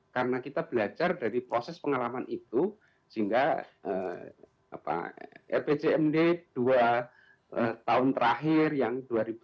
karena kita belajar dari proses pengalaman itu sehingga ipcmd dua tahun terakhir yang dua ribu dua puluh dua